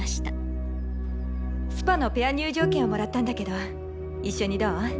スパのペア入場券をもらったんだけど一緒にどう？